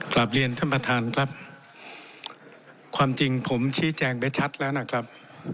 กลับเรียนท่านประธานครับความจริงผมชี้แจงไปชัดแล้วนะครับ